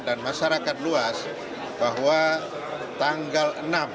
dan masyarakat luas bahwa tanggal enam